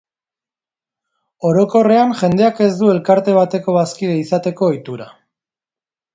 Orokorrean, jendeak ez du elkarte bateko bazkide izateko ohitura.